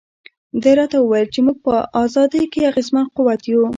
ده راته وویل چې موږ په ازادۍ کې اغېزمن قوت یو.